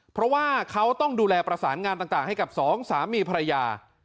เพราะว่าเขาต้องดูแลประสานงานต่างให้กับสองสามีภรรยา